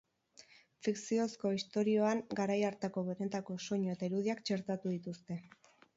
Fikziozko istorioan garai hartako benetako soinu eta irudiak txertatu dituzue.